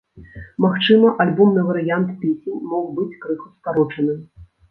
Магчыма, альбомны варыянт песень мог быць крыху скарочаным.